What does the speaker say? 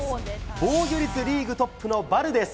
防御率リーグトップのバルデス。